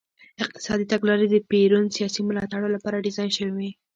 اقتصادي تګلارې د پېرون سیاسي ملاتړو لپاره ډیزاین شوې وې.